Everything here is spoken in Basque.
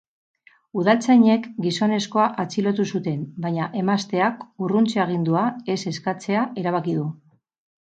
Udaltzainek gizonezkoa atxilotu zuten, baina emazteak urruntze agindua ez eskatzea erabaki du.